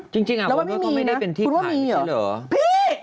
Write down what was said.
จริงผมว่าก็ไม่ได้เป็นที่ขายใช่เหรอพี่